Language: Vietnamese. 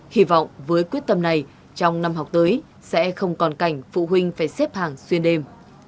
hy vọng với quyết tâm này trong năm học tới sẽ không còn cảnh phụ huynh phải xếp hàng xuyên đêm